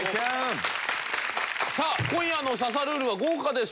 さあ今夜の『刺さルール！』は豪華です。